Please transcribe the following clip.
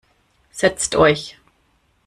Setzt euch.